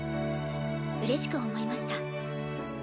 うれしく思いました。